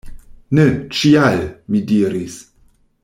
Ne, ĉial! mi diris.